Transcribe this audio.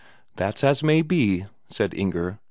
"That's as may be," said Inger.